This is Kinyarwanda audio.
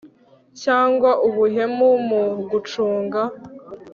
cyangwa ubuhemu mu gucunga